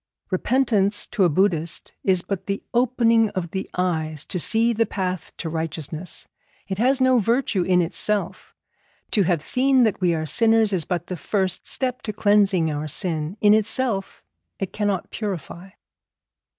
Repentance to a Buddhist is but the opening of the eyes to see the path to righteousness; it has no virtue in itself. To have seen that we are sinners is but the first step to cleansing our sin; in itself it cannot purify.